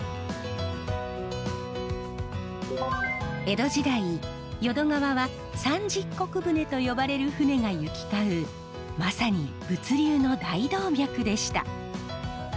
江戸時代淀川は三十石船と呼ばれる船が行き交うまさに物流の大動脈でした。